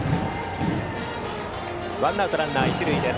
ワンアウトランナー、一塁です。